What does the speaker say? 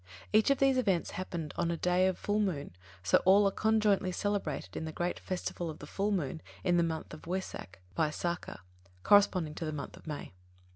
Each of these events happened on a day of full moon, so all are conjointly celebrated in the great festival of the full moon of the month Wesak (Vaisākha), corresponding to the month of May.